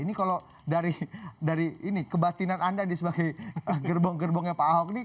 ini kalau dari kebatinan anda sebagai gerbong gerbongnya pak ahok ini